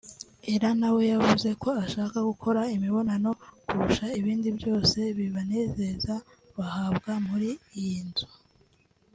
Ellah na we yavuze ko ashaka gukora imibonano kurusha ibindi byose bibanezeza bahabwa muri iyi nzu